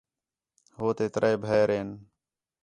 ہُو تے ترے بھیئر ہین